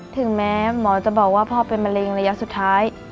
ถึงแม้หมอจะบอกว่าพ่อเป็นมะเร็งระยะสุดท้าย